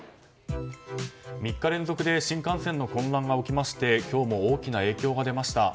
３日連続で新幹線の混乱が起きまして今日も大きな影響が出ました。